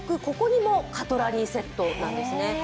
ここにもカトラリーセットなんですね。